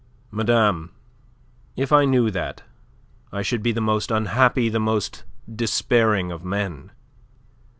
"Madame, if I knew that, I should be the most unhappy, the most despairing of men."